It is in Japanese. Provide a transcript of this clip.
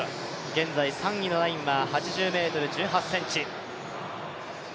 現在３位のラインは８０ｍ１８ｃｍ